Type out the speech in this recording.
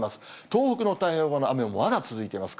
東北の太平洋側の雨もまだ続いています。